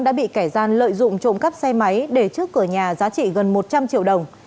đã bị kẻ gian lợi dụng trộm cắp xe máy để trước cửa nhà giá trị gần một trăm linh triệu đồng